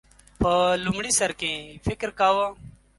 په لومړی سر کې یې فکر کاوه